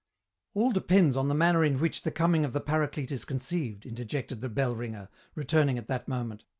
"All depends on the manner in which the coming of the Paraclete is conceived," interjected the bell ringer, returning at that moment.